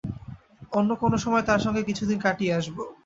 অন্য কোন সময় তাঁর সঙ্গে কিছুদিন কাটিয়ে আসব।